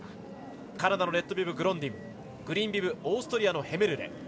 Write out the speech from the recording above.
カナダのレッドビブ、グロンディングリーンビブオーストリアのヘメルレ。